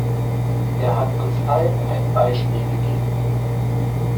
Er hat uns allen ein Beispiel gegeben.